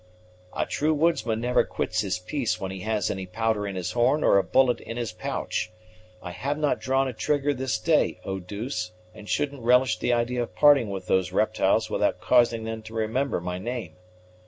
"A true woodsman never quits his piece while he has any powder in his horn or a bullet in his pouch. I have not drawn a trigger this day, Eau douce, and shouldn't relish the idea of parting with those reptiles without causing them to remember my name.